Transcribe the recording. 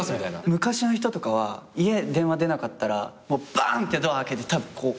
昔の人とかは家電話出なかったらバンッてドア開けてたぶんこう。